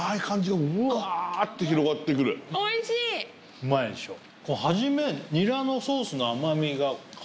うまいでしょ？始め。